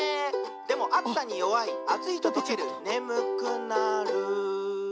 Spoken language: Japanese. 「でもあつさによわいあついととけるねむくなる」